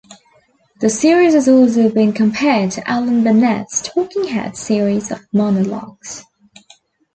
The series has also been compared to Alan Bennett's "Talking Heads" series of monologues.